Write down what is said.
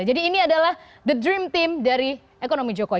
jadi ini adalah the dream team dari ekonomi jokowi